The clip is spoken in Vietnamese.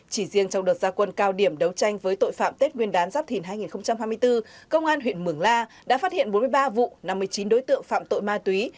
chỉ riêng trong đợt gia quân cao điểm đấu tranh với tội phạm tết nguyên đán giáp thìn hai nghìn hai mươi bốn công an huyện mường la đã phát hiện bốn mươi ba vụ năm mươi chín đối tượng phạm tội ma túy